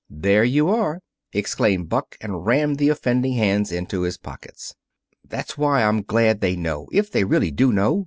"There you are!" exclaimed Buck, and rammed the offending hands into his pockets. "That's why I'm glad they know if they really do know.